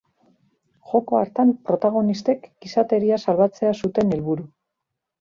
Joko hartan protagonistek gizateria salbatzea zuten helburu.